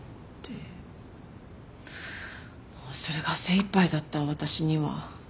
もうそれが精いっぱいだった私には。